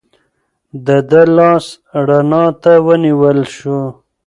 د ده لاس رڼا ته ونیول شو.